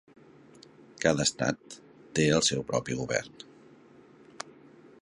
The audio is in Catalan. Cada estat té el seu propi govern.